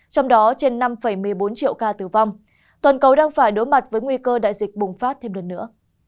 trong đó trên năm một mươi bốn triệu ca tử vong toàn cầu đang phải đối mặt với nguy cơ đại dịch bùng phát thêm lần nữa